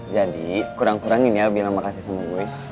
jadi kurang kurangin ya bilang makasih sama gue